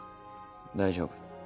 大丈夫。